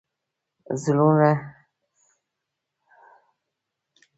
• زړور سړی د حق ویلو ویره نه لري.